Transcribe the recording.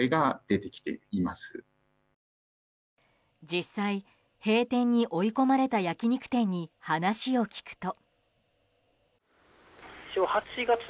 実際、閉店に追い込まれた焼き肉店に話を聞くと。